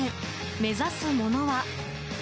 目指すものは。